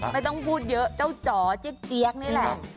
ไม่ต้องพูดเยอะเจ้าจ๋อเจ๊กนี่แหละ